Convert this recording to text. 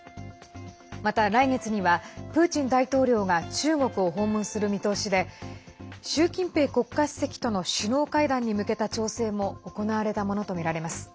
また来月にはプーチン大統領が中国を訪問する見通しで習近平国家主席との首脳会談に向けた調整も行われたものとみられます。